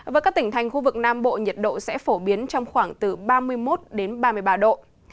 và các tỉnh thành khu vực nam bộ nhiệt độ sẽ phổ biến trong khoảng từ ba mươi một đến ba mươi ba độ